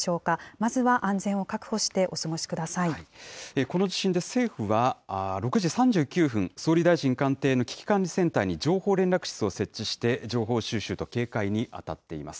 まずは安全を確保してお過ごしくこの地震で政府は、６時３９分、総理大臣官邸の危機管理センターに情報連絡室を設置して、情報収集と警戒に当たっています。